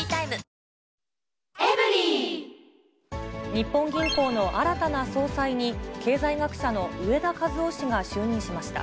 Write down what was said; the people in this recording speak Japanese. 日本銀行の新たな総裁に、経済学者の植田和男氏が就任しました。